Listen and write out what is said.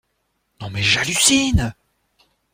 Non mais j'hallucine!